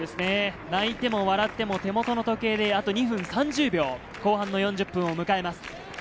泣いても笑っても手元の時計であと２分３０秒、後半の４０分を迎えます。